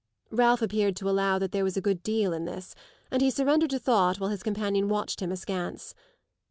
Ralph appeared to allow that there was a good deal in this, and he surrendered to thought while his companion watched him askance.